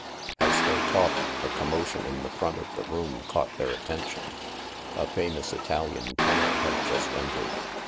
' As they talked, a commotion in the front of the room caught their attention. A famous Italian tenor had just entered.